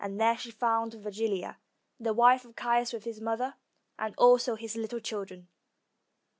There she found Virgilia, the wife of Caius, with his mother, and also his little children.